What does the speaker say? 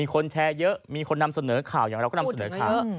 คนแชร์เยอะมีคนนำเสนอข่าวอย่างเราก็นำเสนอข่าว